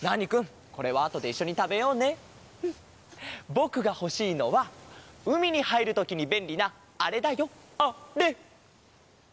ぼくがほしいのはうみにはいるときにべんりなあれだよあれ！